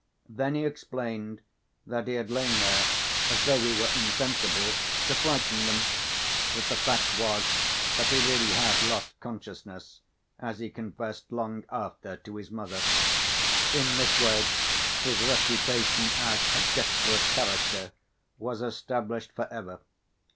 Then he explained that he had lain there as though he were insensible to frighten them, but the fact was that he really had lost consciousness, as he confessed long after to his mother. In this way his reputation as "a desperate character," was established for ever.